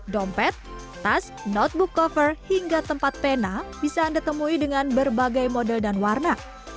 dompet tas notebook cover hingga tempat pena bisa anda temui dengan berbagai model dan warna